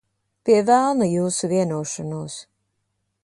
Pie velna jūsu vienošanos.